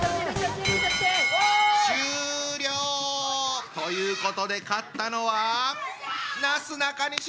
終了！ということで勝ったのはなすなかにし！